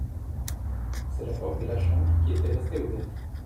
C’est la porte de la chambre qui était restée ouverte.